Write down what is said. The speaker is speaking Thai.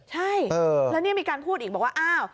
ใช่แล้วนี่มีการพูดอีกบอกว่าอ้าว